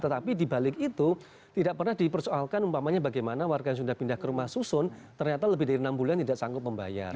tetapi dibalik itu tidak pernah dipersoalkan umpamanya bagaimana warga yang sudah pindah ke rumah susun ternyata lebih dari enam bulan tidak sanggup membayar